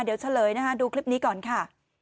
เดี๋ยวเฉลยนะคะดูคลิปนี้ก่อนค่ะ